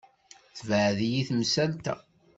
Tebɛed-iyi temsalt-a.